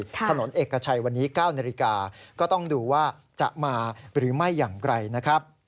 ถนนเอกชัยวันนี้๙นาฬิกาก็ต้องดูว่าจะมาหรือไม่อย่างไรนะครับ